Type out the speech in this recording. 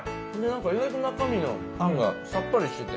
意外と中身のあんがさっぱりしてて。